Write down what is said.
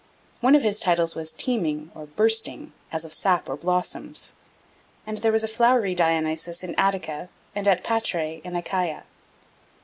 One of his titles was "teeming" or "bursting" (as of sap or blossoms); and there was a Flowery Dionysus in Attica and at Patrae in Achaia.